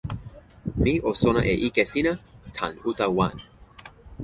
mi o sona e ike sina tan uta wan.